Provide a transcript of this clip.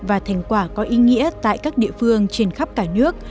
và thành quả có ý nghĩa tại các địa phương trên khắp cả nước